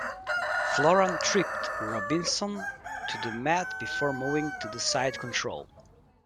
Florian tripped Robinson to the mat before moving to side-control.